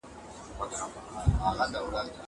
زه اوس مېوې راټولوم.